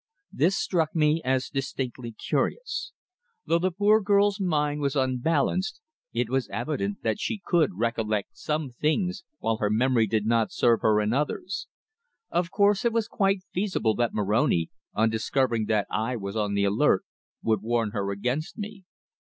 This struck me as distinctly curious. Though the poor girl's mind was unbalanced it was evident that she could recollect some things, while her memory did not serve her in others. Of course it was quite feasible that Moroni, on discovering that I was on the alert, would warn her against me.